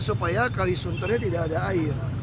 supaya kalisunter tidak ada air